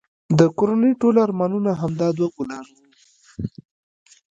د کورنی ټول ارمانونه همدا دوه ګلان وه